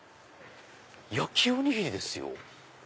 焼きおにぎりですよ。